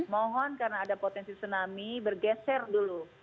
mohon karena ada potensi tsunami bergeser dulu